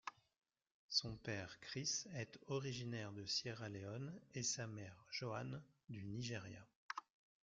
Son père, Chris, est originaire de Sierra Leone et sa mère, Joan, du Nigeria.